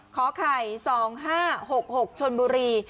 ขอไข่๒๕๖๖ชนบุรี